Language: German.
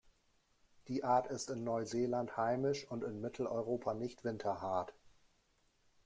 Die Art ist in Neuseeland heimisch und in Mitteleuropa nicht winterhart.